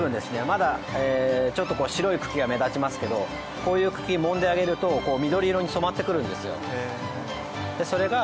まだちょっと白い茎が目立ちますけどこういう茎揉んであげると緑色に染まってくるんですよ。